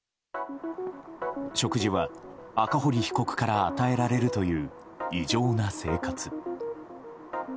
食事は赤堀被告から与えられるという異常な生活。